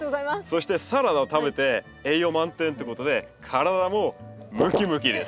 そしてサラダ食べて栄養満点っていうことで体もムキムキです。